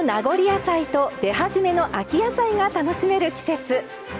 野菜と出始めの秋野菜が楽しめる季節。